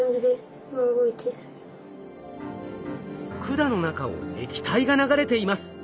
管の中を液体が流れています。